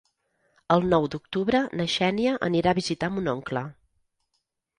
El nou d'octubre na Xènia anirà a visitar mon oncle.